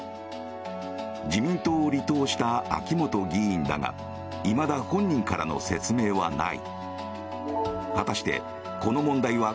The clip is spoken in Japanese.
自民党を離党した秋本議員だがいまだ本人からの説明はない。